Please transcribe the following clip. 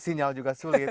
sinyal juga sulit